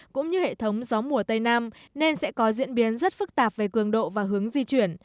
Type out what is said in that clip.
cũng như hệ thống gió mùa tây nam nên sẽ có diễn biến rất phức tạp về cường độ và hướng di chuyển